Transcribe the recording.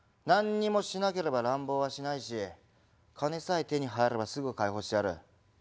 何にもしなければ乱暴はしないし金さえ手に入ればすぐ解放してやる。